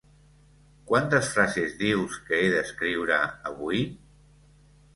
Quantes frases dius que he d'escriure avui?